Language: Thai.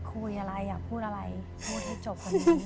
ครับครับ